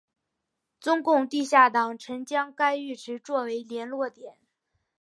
中共地下党曾将该浴池作为联络点。